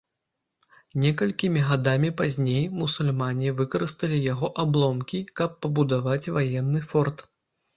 Некалькімі гадамі пазней мусульмане выкарысталі яго абломкі, каб пабудаваць ваенны форт.